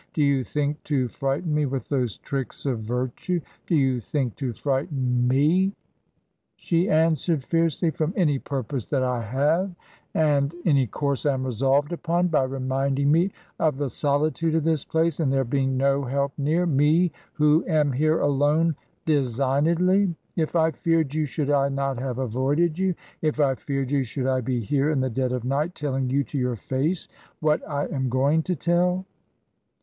Do you think to fright en me with those tricks of virtue?' 'Do you think to 140 Digitized by VjOOQIC HEROINES OF DICKENS'S MIDDLE PERIOD frighten we/ she answered, fiercely, 'from any purpose that I have, and any course I am resolved upon, by re minding me of the solitude of this place and there being no help near? Me, who am here alone, designedly? If I feared you, should I not have avoided you? If I feared you, should I be here, in the dead of night, teUing you to your face what I am going to tell?'